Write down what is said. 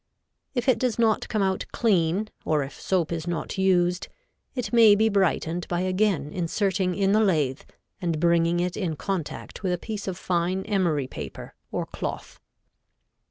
If it does not come out clean, or if soap is not used, it may be brightened by again inserting in the lathe and bringing it in contact with a piece of fine emery paper or cloth.